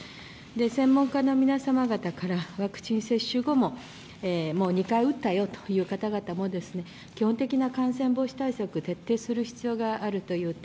専門家の皆様方からワクチン接種後も、２回打ったよという方からも基本的な感染防止対策を徹底する必要があるという点。